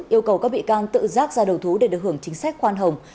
yêu cầu các bị can tự rác ra đầu thú để được hưởng chính sách khoan hồng